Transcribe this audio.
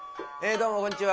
どうもこんにちは。